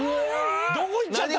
どこいっちゃった？